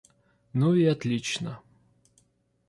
Ну, и отлично.